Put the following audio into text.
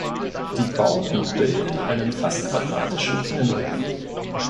Die Bauten bilden einen fast quadratischen Innenhof.